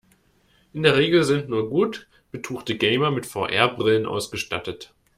In der Regel sind nur gut betuchte Gamer mit VR-Brillen ausgestattet.